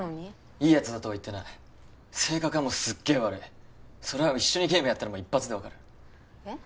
いいやつだとは言ってない性格はもうすっげえ悪いそれは一緒にゲームやったらもう一発で分かるえっ？